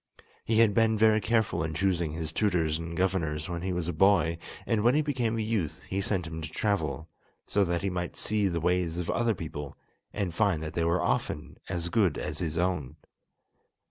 He had been very careful in choosing his tutors and governors when he was a boy, and when he became a youth he sent him to travel, so that he might see the ways of other people, and find that they were often as good as his own.